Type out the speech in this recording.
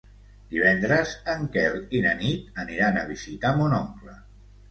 Divendres en Quel i na Nit aniran a visitar mon oncle.